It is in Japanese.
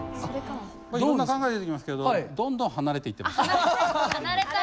いろんな考え出てきますけどどんどん離れていってます。